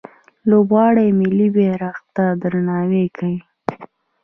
لوبغاړي ملي بیرغ ته درناوی کوي.